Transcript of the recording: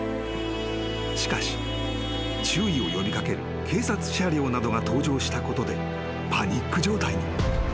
［しかし注意を呼びかける警察車両などが登場したことでパニック状態に］